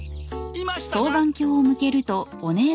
いましたか？